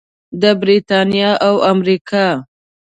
د بریتانیا او امریکا.